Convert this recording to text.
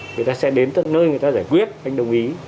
người ta sẽ đến tận nơi người ta giải quyết anh đồng ý